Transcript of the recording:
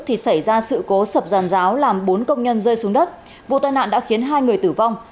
thì xảy ra sự cố sập giàn giáo làm bốn công nhân rơi xuống đất vụ tai nạn đã khiến hai người tử vong